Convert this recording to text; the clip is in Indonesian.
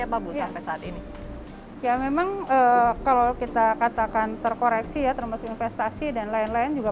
apa bu sampai saat ini ya memang kalau kita katakan terkoreksi ya termasuk investasi dan lain lain juga